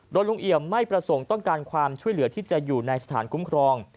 โดยลุงเอี่ยมไม่ประสงค์ต้องการความช่วยเหลือที่จะอยู่ในสถานคุ้มครอง